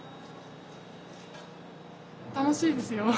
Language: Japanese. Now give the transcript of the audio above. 楽しいですよ。